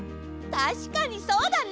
たしかにそうだね！